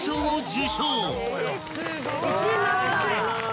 すごーい！